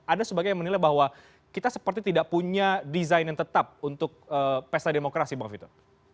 ada sebagian yang menilai bahwa kita seperti tidak punya desain yang tetap untuk pesta demokrasi bang vito